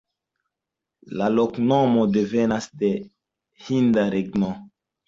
La loknomo devenas de hinda regno.